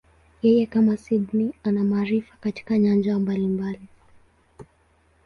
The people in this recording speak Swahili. Yeye, kama Sydney, ana maarifa katika nyanja mbalimbali.